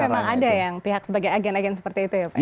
jadi memang ada yang pihak sebagai agen agen seperti itu ya pak